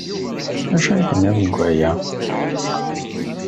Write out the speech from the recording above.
D acu ay tenniḍ deg waya?